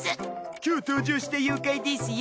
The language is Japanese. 今日登場した妖怪ですよ。